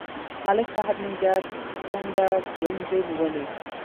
ملک صاحب نن بیا ټنډه ګونځې نیولې.